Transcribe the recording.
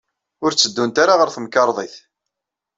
Ur tteddunt ara ɣer temkarḍit.